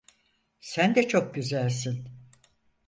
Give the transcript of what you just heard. Sen de çok güzelsin.